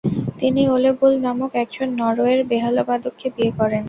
তিনি Ole Bull নামক একজন নরওয়ের বেহালা বাদককে বিয়ে করেন।